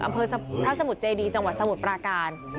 อำเภอพระสมุทรเจดีจังหวัดสมุทรปราการ